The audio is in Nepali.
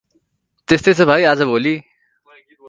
तेस्तै छ भाइ अाज भोलि ।